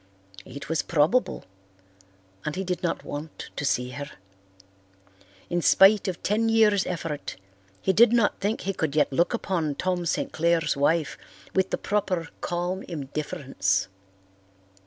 It was probable, and he did not want to see her. In spite of ten years' effort, he did not think he could yet look upon Tom St. Clair's wife with the proper calm indifference.